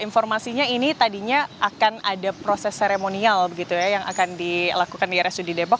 informasinya ini tadinya akan ada proses seremonial begitu ya yang akan dilakukan di rsud depok